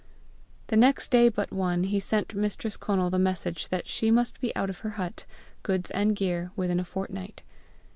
The next day but one, he sent Mistress Conal the message that she must be out of her hut, goods and gear, within a fortnight.